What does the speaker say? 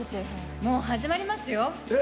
もう始まりますよえっ